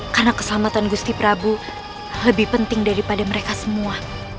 karena keselamatan gusti prabu lebih penting daripada mereka semua